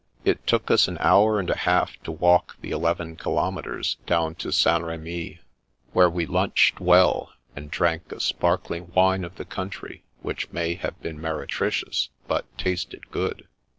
It took us an hour and a half to walk the eleven kilometres down to St. Rhemy, where we lunched well, and drank a sparkling wine of the country which may have been meretricious, but tasted good.